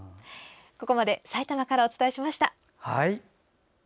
ここまでさいたまからお伝えしました。